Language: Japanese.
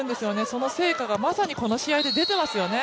その成果がまさにこの試合で出てますよね。